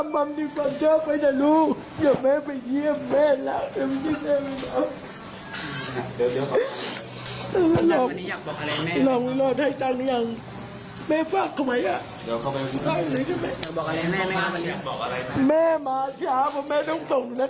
วันนี้ไม่อยากบอกอะไรแม่บ้างหลอกให้ตั้งอย่างมี่ฝากเขาไว้ค่ะ